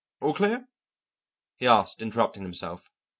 All clear?" he asked, interrupting himself.